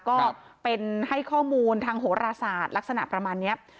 ก็เป็นให้ข้อมูลทางโหรศาสตร์ลักษณะประมาณนี้